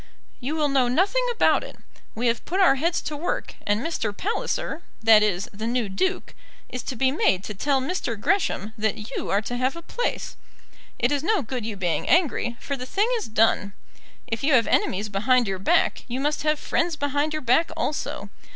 "You will know nothing about it. We have put our heads to work, and Mr. Palliser, that is, the new Duke, is to be made to tell Mr. Gresham that you are to have a place. It is no good you being angry, for the thing is done. If you have enemies behind your back, you must have friends behind your back also.